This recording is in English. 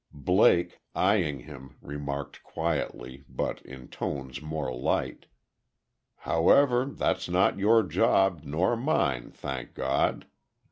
Blake, eyeing him, remarked quietly, but in tones more light: "However, that's not your job, nor mine, thank God.